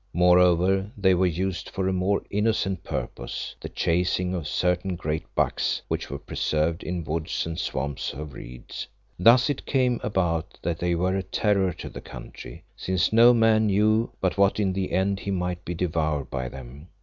Moreover, they were used for a more innocent purpose, the chasing of certain great bucks which were preserved in woods and swamps of reeds. Thus it came about that they were a terror to the country, since no man knew but what in the end he might be devoured by them.